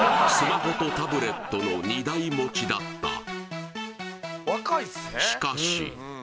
スマホとタブレットの２台持ちだった